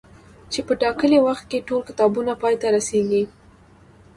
چي په ټاکلي وخت کي ټول کتابونه پاي ته رسيږي